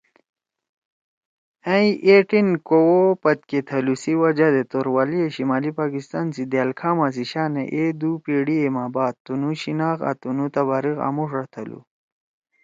أئں اے ٹین کؤ او پتکے تھلُو سی وجہ دے توروالیِے شمالی پاکستان سی دأل کھاما سی شانے اے دُو پیڑیِا ما بعد تُنُو شناخت آں تُنُو تباریخ آمُوݜا تھلُو۔